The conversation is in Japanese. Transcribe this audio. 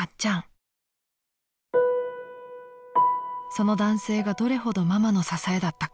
［その男性がどれほどママの支えだったか］